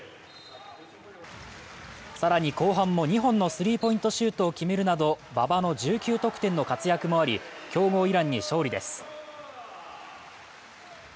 更に、後半も２本のスリーポイントシュートを決めるなど、馬場の１９得点の活躍もあり、強豪・イランに勝利です。